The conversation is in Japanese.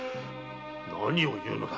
何を言うのだ。